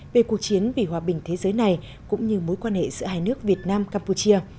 về cuộc chiến vì hòa bình thế giới này cũng như mối quan hệ giữa hai nước việt nam campuchia